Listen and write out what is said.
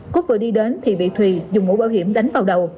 cúp vừa đi đến thì bị thùy dùng mũ bảo hiểm đánh vào đầu